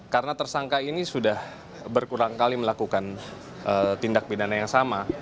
karena tersangka ini sudah berkurang kali melakukan tindak pidana yang sama